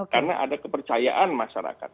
karena ada kepercayaan masyarakat